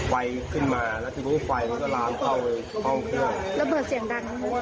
ไฟขึ้นมาแล้วทีนี้ไฟมันก็ลามเข้าเลยเข้าเครื่องระเบิดเสียงดังไหม